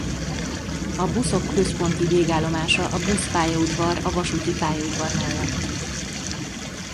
A buszok központi végállomása a buszpályaudvar a vasúti pályaudvar mellett.